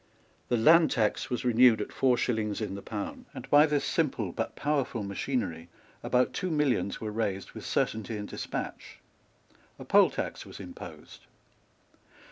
The land tax was renewed at four shillings in the pound; and by this simple but powerful machinery about two millions were raised with certainty and despatch. A poll tax was imposed.